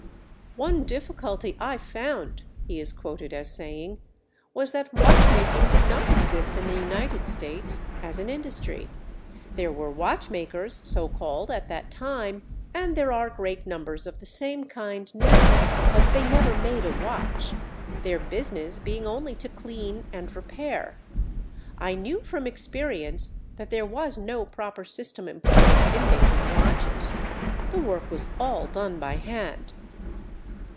"One difficulty I found," he is quoted as saying, "was that watch making did not exist in the United States as an industry. There were watchmakers, so called, at that time, and there are great numbers of the same kind now, but they never made a watch; their business being only to clean and repair. I knew from experience that there was no proper system employed in making watches. The work was all done by hand.